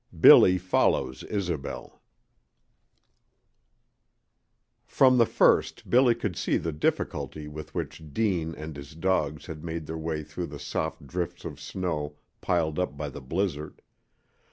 V BILLY FOLLOWS ISOBEL From the first Billy could see the difficulty with which Deane and his dogs had made their way through the soft drifts of snow piled up by the blizzard.